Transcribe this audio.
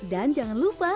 dan jangan lupa